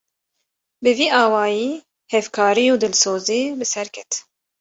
Bi vî awayî hevkarî û dilsozî bi ser ket